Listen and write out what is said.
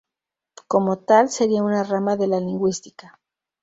Como tal, sería una rama de la lingüística.